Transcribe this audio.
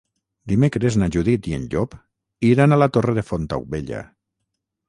Dimecres na Judit i en Llop iran a la Torre de Fontaubella.